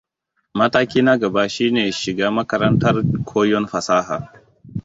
Mataki na gaba shi ne shiga makarantar koyon fasaha.